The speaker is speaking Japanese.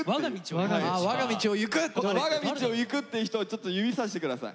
わが道を行くっていう人をちょっと指さして下さい。